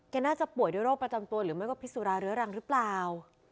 น่าจะป่วยด้วยโรคประจำตัวหรือไม่ก็พิสุราเรื้อรังหรือเปล่า